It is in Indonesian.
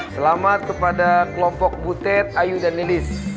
selamat kepada kelompok butet ayu dan lilis